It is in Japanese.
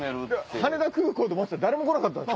羽田空港で待ってたら誰も来なかったんです。